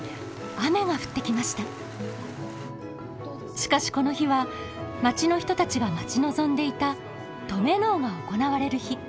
しかしこの日は町の人たちが待ち望んでいた登米能が行われる日。